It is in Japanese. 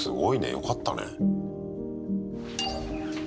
よかったね。